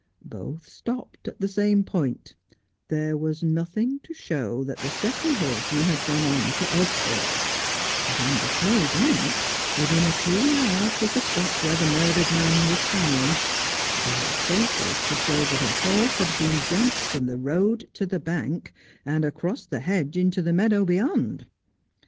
Both stopped at the same point ; there was nothing to show that the second horse man had gone on to Austhorpe ; but on the clay bank, within a few yards of the spot where the murdered man was found, there were traces to show that a horse had been jumped from the road to the bank, and across the hedge into the meadow be yond.